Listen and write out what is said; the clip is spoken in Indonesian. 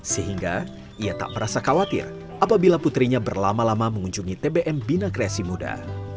sehingga ia tak merasa khawatir apabila putrinya berlama lama mengunjungi tbm bina kreasi muda